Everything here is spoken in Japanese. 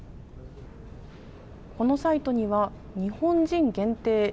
このサイトには、日本人限定！